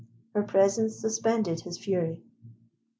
Her presence suspended his fury.